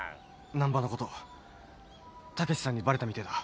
難破のこと猛さんにバレたみてえだ。